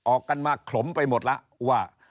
ออกกันมาขลมไปหมดแล้วว่า